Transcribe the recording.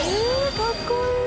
かっこいい。